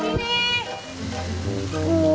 kimi bingung ini